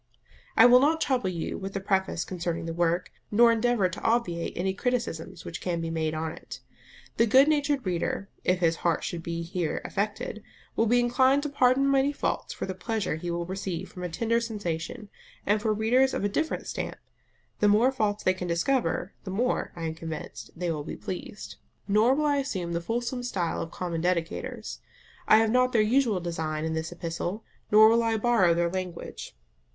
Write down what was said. I will not trouble you with a preface concerning the work, nor endeavour to obviate any criticisms which can be made on it. The good natured reader, if his heart should be here affected, will be inclined to pardon many faults for the pleasure he will receive from a tender sensation: and for readers of a different stamp, the more faults they can discover, the more, I am convinced, they will be pleased. Nor will I assume the fulsome stile of common dedicators. I have not their usual design in this epistle, nor will I borrow their language.